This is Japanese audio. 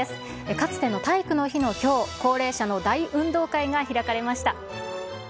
かつての体育の日のきょう、高齢者の大運動会が開かれました。